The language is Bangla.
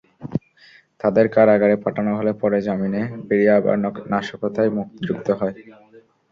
তাদের কারাগারে পাঠানো হলে পরে জামিনে বেরিয়ে আবার নাশকতায় যুক্ত হয়।